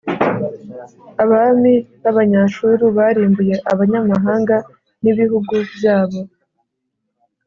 abami b’Abanyashuru barimbuye abanyamahanga n’ibihugu byabo,